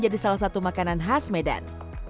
jalan semarang medan